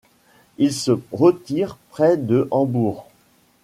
Il se retire près de Hambourg.